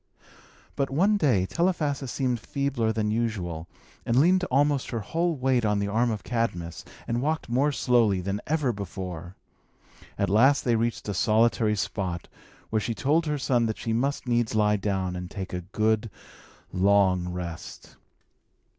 But, one day, Telephassa seemed feebler than usual, and leaned almost her whole weight on the arm of Cadmus, and walked more slowly than ever before. At last they reached a solitary spot, where she told her son that she must needs lie down, and take a good, long rest.